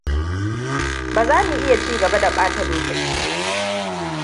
Ba za mu iya ci gaba da ɓata lokaci ba.